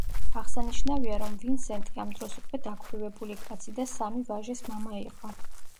აღსანიშნავია, რომ ვინსენტი ამ დროს უკვე დაქვრივებული კაცი და სამი ვაჟის მამა იყო.